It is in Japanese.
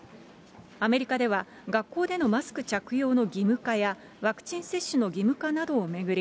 アメリカでは、学校でのマスク着用の義務化や、ワクチン接種の義務化などを巡り、